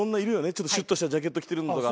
ちょっとシュッとしたジャケット着てるのとか。